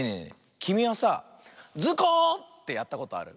きみはさあ「ズコ！」ってやったことある？